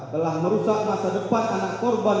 telah merusak masa depan anak korban